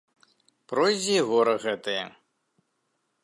Пройдзе і гора гэтае.